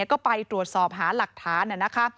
ก็ไปตรวจสอบหาหลักฐานนะคะ